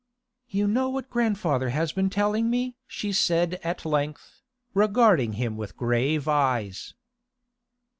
'You know what grandfather has been telling me?' she said at length, regarding him with grave eyes.